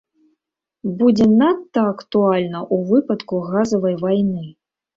Будзе надта актуальна ў выпадку газавай вайны!